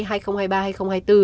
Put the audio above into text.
phụ huynh đóng một trăm linh